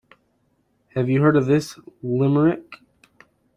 Have you heard this limerick?